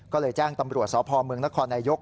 ก็เลยแจ้งตำรวจสพเมืองนครนายก